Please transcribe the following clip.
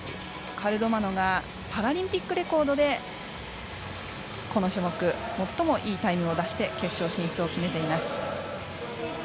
カルロマノがパラリンピックレコードでこの種目最もいいタイムを出して決勝進出を決めています。